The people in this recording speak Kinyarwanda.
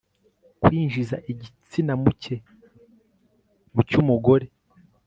kwinjiza igitsina cye mu cy'umugore